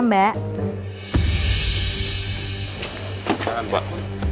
selamat pagi pak